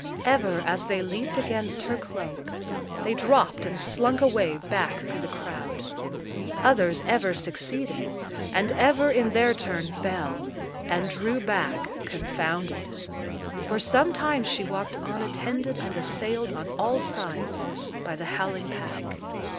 Ever as they leaped against her cloak, they dropped and slunk away back through the crowd. Others ever succeeded, and ever in their turn fell, and drew back confounded. For some time she walked on attended and assailed on all sides by the howling pack.